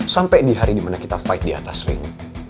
sampai di hari dimana kita fight diatas ring